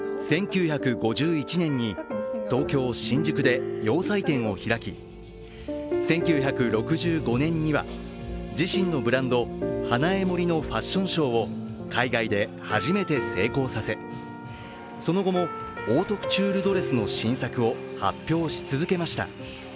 １９５１年に東京・新宿で洋裁店を開き、１９６５年には自身のブランド、ＨＡＮＡＥＭＯＲＩのファッションショーを海外で初めて成功させその後もオートクチュールドレスの新作を発表し続けました。